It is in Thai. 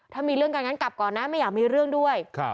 ถ้ามีเรื่องกันงั้นกลับก่อนนะไม่อยากมีเรื่องด้วย